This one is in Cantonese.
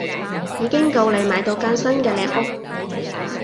已經夠你買到間新嘅靚屋